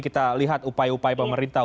kita lihat upaya upaya pemerintah